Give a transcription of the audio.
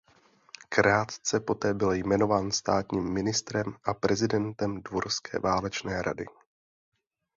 Krátce poté byl jmenován státním ministrem a prezidentem dvorské válečné rady.